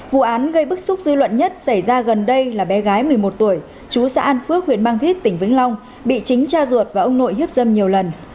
vụ án gây bức xúc dư luận nhất xảy ra gần đây là bé gái một mươi một tuổi chú xã an phước huyện mang thít tỉnh vĩnh long bị chính cha ruột và ông nội hiếp dâm nhiều lần